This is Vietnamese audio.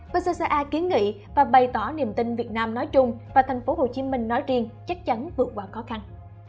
v c a kiến nghị và bày tỏ niềm tin việt nam nói chung và tp hcm nói riêng chắc chắn vượt qua khó khăn